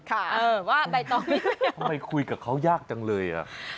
ทำไมคุยกับเขายากจังเลย